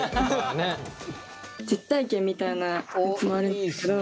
実体験みたいなやつもあるんですけど。